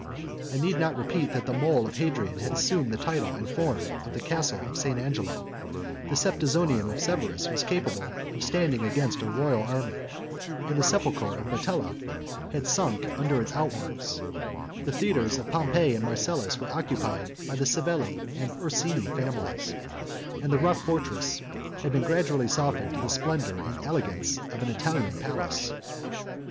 I need not repeat, that the mole of Adrian has assumed the title and form of the castle of St. Angelo; 41 the Septizonium of Severus was capable of standing against a royal army; 42 the sepulchre of Metella has sunk under its outworks; 43 431 the theatres of Pompey and Marcellus were occupied by the Savelli and Ursini families; 44 and the rough fortress has been gradually softened to the splendor and elegance of an Italian palace.